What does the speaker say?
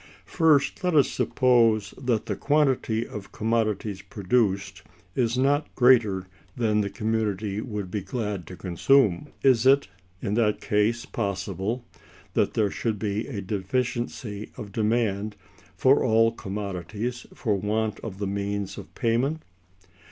First, let us suppose that the quantity of commodities produced is not greater than the community would be glad to consume; is it, in that case, possible that there should be a deficiency of demand for all commodities for want of the means of payment?